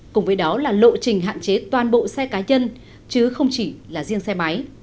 cùng với đó là lộ trình hạn chế toàn bộ xe cá nhân chứ không chỉ là riêng xe máy